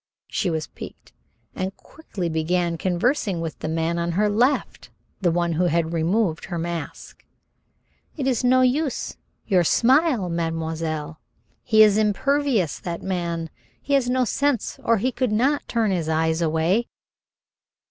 She was piqued, and quickly began conversing with the man on her left, the one who had removed her mask. "It is no use, your smile, mademoiselle. He is impervious, that man. He has no sense or he could not turn his eyes away."